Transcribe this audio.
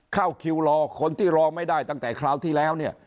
เข้าคิวรอคนที่รอไม่ได้ตั้งแต่คราวที่แล้วเนี่ย